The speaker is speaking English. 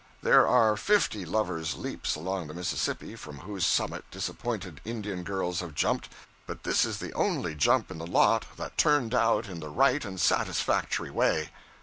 There are fifty Lover's Leaps along the Mississippi from whose summit disappointed Indian girls have jumped, but this is the only jump in the lot hat turned out in the right and satisfactory way.